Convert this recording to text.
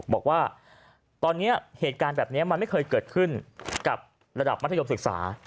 บอกว่าตอนนี้เหตุการณ์แบบนี้มันไม่เคยเกิดขึ้นกับระดับมัธยมศึกษา